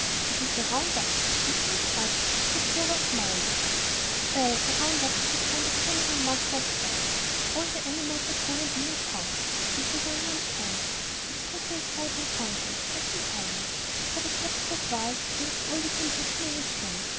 "What is a 'round up' and who is 'us'?" said Clover, smiling. "Well, a round up is a kind of general muster of the stock. All the animals are driven in and counted, and the young ones branded. It's pretty exciting sometimes, I can tell you, for the cattle get wild, and it's all we can do to manage them.